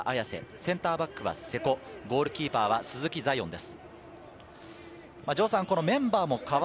センターバックは瀬古、ゴールキーパーが鈴木彩艶です。